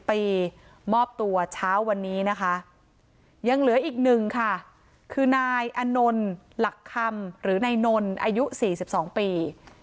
๔๐ปีมอบตัวเช้าวันนี้นะคะยังเหลืออีกหนึ่งค่ะคือนายอนนหรือนายนอายุ๔๒ปี